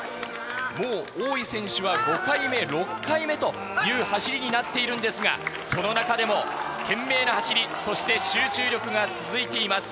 もう多い選手は５回目、６回目という走りになっているんですが、その中でも懸命な走り、そして集中力が続いています。